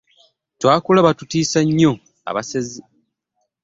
Twakula batutiisa nnyo abasezi.